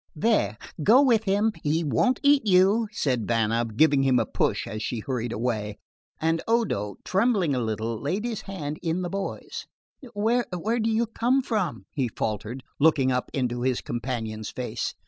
"There, go with him; he won't eat you," said Vanna, giving him a push as she hurried away; and Odo, trembling a little, laid his hand in the boy's. "Where do you come from?" he faltered, looking up into his companion's face.